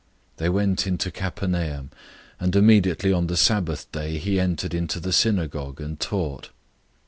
001:021 They went into Capernaum, and immediately on the Sabbath day he entered into the synagogue and taught.